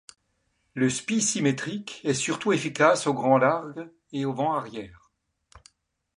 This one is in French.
Le spi symétrique est surtout efficace au grand-largue et au vent arrière.